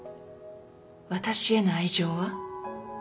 私への愛情は？